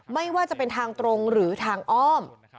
ไม่ว่าจะเป็นทางตรงหรือทางอ้อม